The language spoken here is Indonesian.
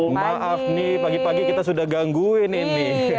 oh maaf nih pagi pagi kita sudah gangguin ini